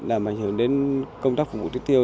làm ảnh hưởng đến công tác phục vụ tưới tiêu